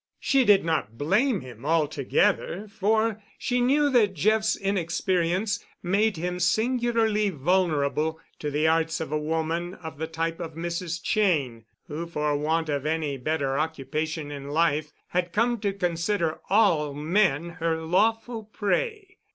She did not blame him altogether, for she knew that Jeff's inexperience made him singularly vulnerable to the arts of a woman of the type of Mrs. Cheyne, who, for want of any better occupation in life, had come to consider all men her lawful prey.